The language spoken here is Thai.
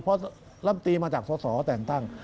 เพราะว่ารับทีมาจากสสแต่งตั้ง